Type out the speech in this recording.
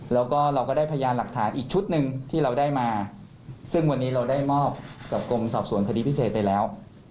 แล้วก็เราก็ได้พยานหลักฐานอีกชุดหนึ่งที่เราได้มาซึ่งวันนี้เราได้มอบกับกรมสอบสวนคดีพิเศษไปแล้ว